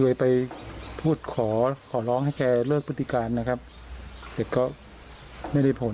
เลยไปพูดขอขอร้องให้แกเลิกพฤติการนะครับแต่ก็ไม่ได้ผล